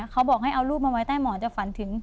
เขาบอกให้เอารูปมาไว้ใต้หมอนจะฝันถึง